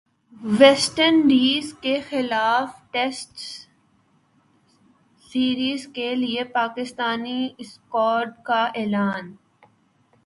waste انڈیزکےخلاف test series کے لیےپاکستانی اسکواڈ کا اعلان